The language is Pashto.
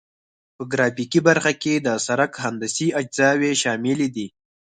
په ګرافیکي برخه کې د سرک هندسي اجزاوې شاملې دي